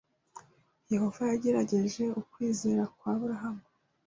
Yehova yagerageje ukwizera kwa Aburahamu.